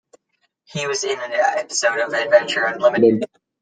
He was in an episode of "Adventure Unlimited".